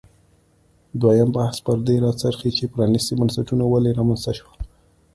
دویم بحث پر دې راڅرخي چې پرانیستي بنسټونه ولې رامنځته شول.